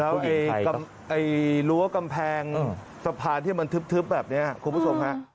แล้วรั้วกำแพงสะพานที่มันทึบแบบนี้คุณผู้ชมฮะ